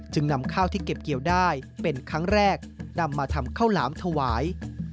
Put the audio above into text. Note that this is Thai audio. นำข้าวที่เก็บเกี่ยวได้เป็นครั้งแรกนำมาทำข้าวหลามถวาย